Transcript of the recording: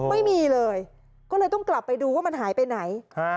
ไม่มีเลยก็เลยต้องกลับไปดูว่ามันหายไปไหน